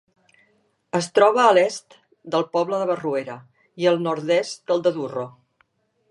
Es troba a l'est del poble de Barruera, i al nord-est del de Durro.